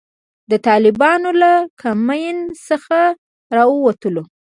د طالبانو له کمین څخه را ووتلو.